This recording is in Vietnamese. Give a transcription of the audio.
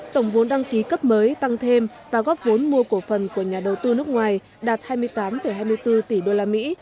tổng vốn đăng ký cấp mới tăng thêm và góp vốn mua cổ phần của nhà đầu tư nước ngoài đạt hai mươi tám hai mươi bốn tỷ đô la mỹ